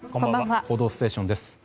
「報道ステーション」です。